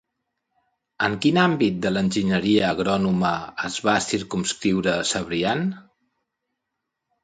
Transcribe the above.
En quin àmbit de l'enginyeria agrònoma es va circumscriure Cebrián?